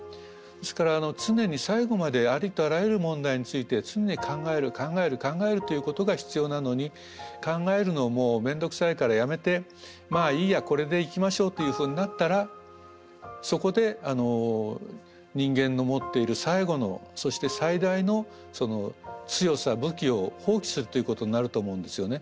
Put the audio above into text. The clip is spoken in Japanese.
ですから常に最後までありとあらゆる問題について常に考える考える考えるということが必要なのに考えるのをもう面倒くさいからやめてまあいいやこれでいきましょうというふうになったらそこで人間の持っている最後のそして最大の強さ武器を放棄するということになると思うんですよね。